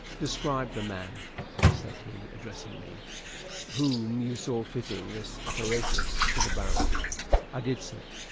Describe the man," said he, addressing me, "whom you saw fitting this apparatus to the barrel." I did so.